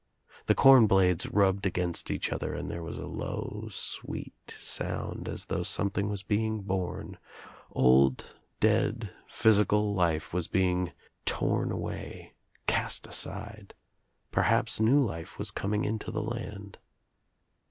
The corn blades rubbed against each other and there was a low sweet sound as though something was being born, old dead physical life was being torn away, cast aside. Perhaps new life was coming into the land.